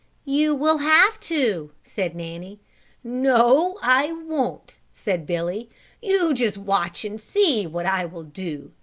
"You will have to," said Nanny. "No, I won't," said Billy. "You just watch and see what I will do!